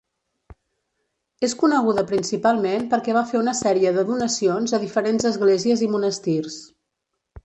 És coneguda principalment perquè va fer una sèrie de donacions a diferents esglésies i monestirs.